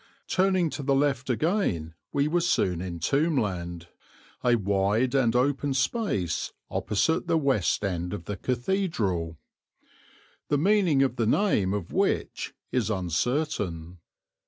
Turning to the left again we were soon in Tombland, a wide and open space opposite the west end of the cathedral, the meaning of the name of which is uncertain.